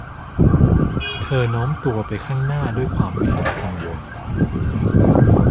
เธอโน้มตัวไปข้างหน้าด้วยความวิตกกังวล